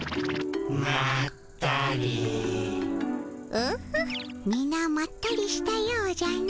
オホッみなまったりしたようじゃの。